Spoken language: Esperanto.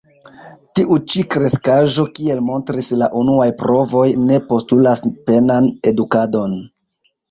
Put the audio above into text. Tiu ĉi kreskaĵo, kiel montris la unuaj provoj, ne postulas penan edukadon.